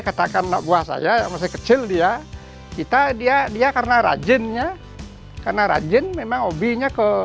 katakanlah buah saya masih kecil dia kita dia dia karena rajinnya karena rajin memang hobinya ke